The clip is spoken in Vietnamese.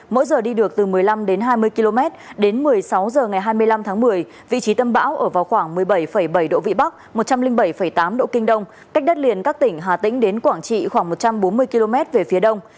mỗi giờ đi được từ một mươi năm đến hai mươi km đến một mươi sáu h ngày hai mươi năm tháng một mươi vị trí tâm bão ở vào khoảng một mươi bảy bảy độ vĩ bắc một trăm linh bảy tám độ kinh đông cách đất liền các tỉnh hà tĩnh đến quảng trị khoảng một trăm bốn mươi km về phía đông